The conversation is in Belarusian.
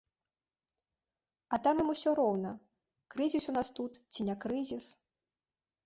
А там ім усё роўна, крызіс у нас тут ці не крызіс.